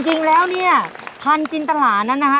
จริงแล้วเนี่ยพันธุ์จินตลานั้นนะฮะ